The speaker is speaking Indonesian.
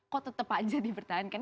kok tetep aja dipertahankan